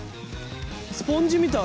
スポンジみたい。